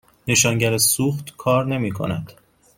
نشانگر سوخت کار نمی کند.